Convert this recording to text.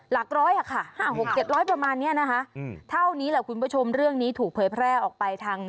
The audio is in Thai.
หลักร้อยอะค่ะห้าหกเจ็ดร้อยประมาณเนี้ยนะคะอืมเท่านี้แหละคุณผู้ชมเรื่องนี้ถูกเผยแพร่ออกไปทาง